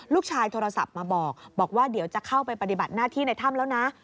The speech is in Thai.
โทรศัพท์มาบอกว่าเดี๋ยวจะเข้าไปปฏิบัติหน้าที่ในถ้ำแล้วนะ